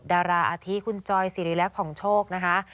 ดาราอาทิคุณจอยสิริแลกของโชคนะคะ